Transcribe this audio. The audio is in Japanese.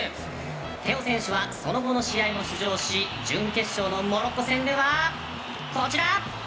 テオ選手はその後の試合も出場し準決勝のモロッコ戦ではこちら！